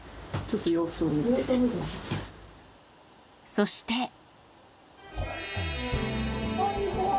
そしてこんにちは